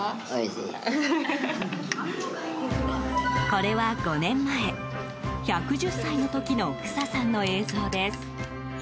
これは５年前、１１０歳の時のフサさんの映像です。